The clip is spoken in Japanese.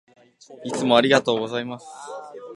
いつもありがとうございます。